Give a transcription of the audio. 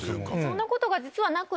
そんなことが実はなくて。